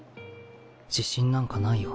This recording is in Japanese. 自信なんかないよ。